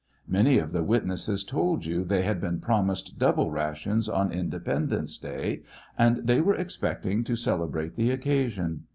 Many of the witnesses told you they had been promised double rations on Independence Day, and they were expecting to celebrate the occasion.